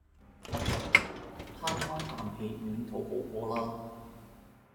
慳番啖氣暖肚好過啦